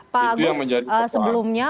pak agus sebelumnya